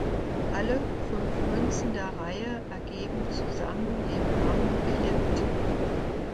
Alle fünf Münzen der Reihe ergeben zusammen den Namen K-L-I-M-T.